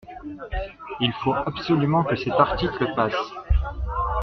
Il faut absolument que cet article passe.